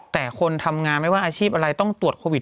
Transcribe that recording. แต่คนทำงานไม่ว่าอาชีพอะไรต้องตรวจโควิด